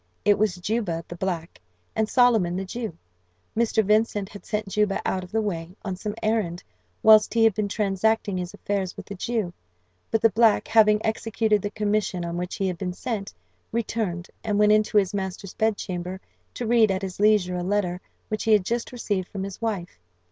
It was Juba, the black, and Solomon, the Jew. Mr. Vincent had sent Juba out of the way, on some errand, whilst he had been transacting his affairs with the Jew; but the black, having executed the commission on which he had been sent, returned, and went into his master's bedchamber, to read at his leisure a letter which he had just received from his wife.